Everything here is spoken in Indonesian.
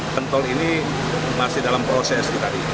jalan tol ini masih dalam proses